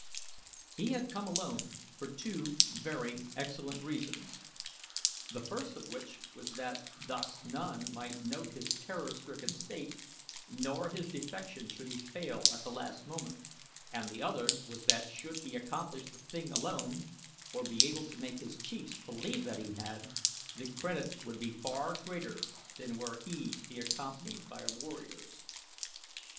He had come alone for two very excellent reasons, the first of which was that thus none might note his terror stricken state nor his defection should he fail at the last moment, and the other was that should he accomplish the thing alone or be able to make his chiefs believe that he had, the credit would be far greater than were he to be accompanied by warriors.